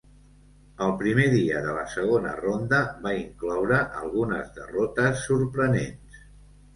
El primer dia de la segona ronda va incloure algunes derrotes sorprenents.